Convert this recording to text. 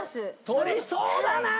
撮りそうだなぁ。